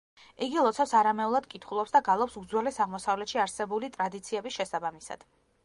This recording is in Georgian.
იგი ლოცვებს არამეულად კითხულობს და გალობს უძველეს აღმოსავლეთში არსებული ტრადიციების შესაბამისად.